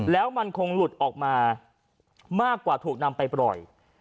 แล้วมันคงหลุดออกมามากกว่าถูกนำไปปล่อย